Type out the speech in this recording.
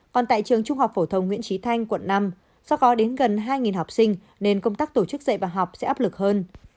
còn tại trường trung học phổ thông nguyễn trí thanh quận năm do có đến gần hai học sinh nên công tác tổ chức dạy và học sẽ áp lực hơn